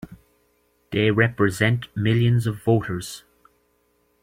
They represent millions of voters!